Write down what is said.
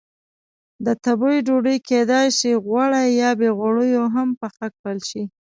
د تبۍ ډوډۍ کېدای شي غوړه یا بې غوړیو هم پخه کړل شي.